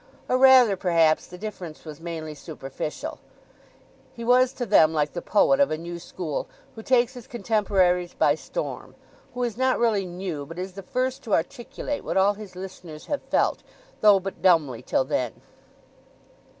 Or rather, perhaps, the difference was mainly superficial; he was to them like the poet of a new school who takes his contemporaries by storm; who is not really new, but is the first to articulate what all his listeners have felt, though but dumbly till then.